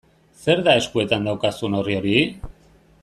Zer da eskuetan daukazun orri hori?